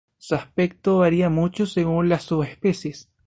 Su aspecto varía mucho según las subespecies.